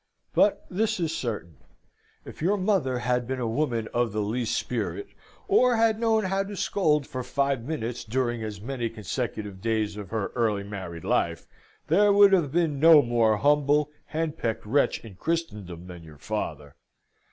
But this is certain: if your mother had been a woman of the least spirit, or had known how to scold for five minutes during as many consecutive days of her early married life, there would have been no more humble, henpecked wretch in Christendom than your father.